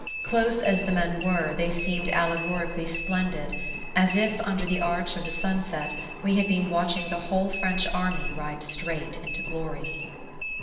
Close as the men were, they seemed allegorically splendid: as if, under the arch of the sunset, we had been watching the whole French army ride straight into glory...